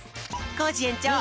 コージえんちょう